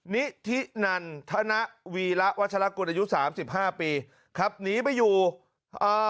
นิธินันธนวีระวัชลกุลอายุสามสิบห้าปีขับหนีไปอยู่อ่า